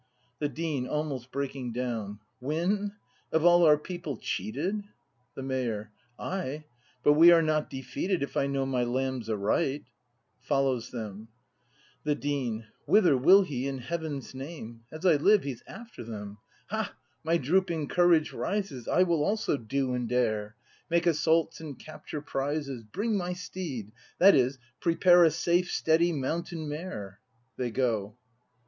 The Dean. \Almost breaking downil Win ? Of all our people cheated ?— The Mayor. Ay, but we are not defeated. If I know my lambs aright! The Dean. \Follows them. Whither will he, in heaven's name ? As I live, he's after them! Ha, my drooping courage rises, I will also do and dare, — Make assaults and capture prizes! Bring my steed; — that is, prepare A safe, steady mountain mare! [They go.